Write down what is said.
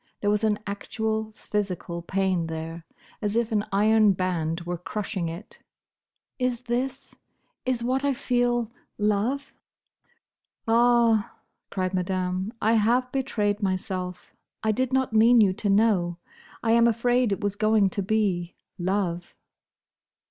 There was an actual physical pain there, as if an iron band were crushing it. "Is this—is what I feel—love?" "Ah!" cried Madame, "I have betrayed myself. I did not mean you to know. I am afraid it was going to be—love."